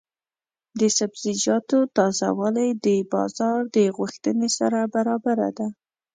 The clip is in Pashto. د سبزیجاتو تازه والي د بازار د غوښتنې سره برابره ده.